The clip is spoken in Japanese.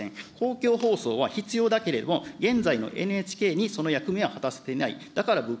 公共放送は必要だけれども、現在のＮＨＫにその役目は果たせていない。